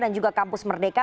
dan juga kampus merdeka